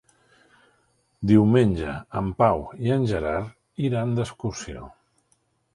Diumenge en Pau i en Gerard iran d'excursió.